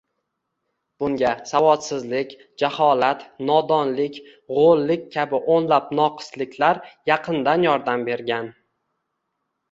Bunga savodsizlik, jaholat, nodonlik, go’llik kabi o’nlab noqisliklar yaqindan yordam bergan.